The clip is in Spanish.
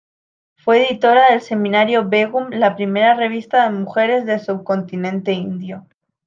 Fue editora del semanario "Begum", la primera revista de mujeres del subcontinente indio.